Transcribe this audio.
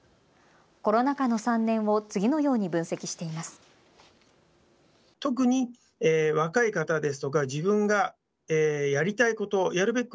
コロナ禍の３年を次のように分析しています。